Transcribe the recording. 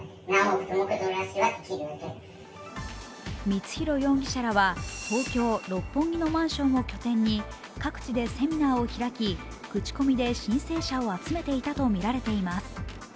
光弘容疑者らは、東京・六本木のマンションを拠点に各地でセミナーを開き、口コミで申請者を集めていたとみられています。